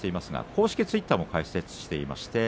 公式ツイッターも開設しています。